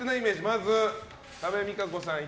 まず、多部未華子さん。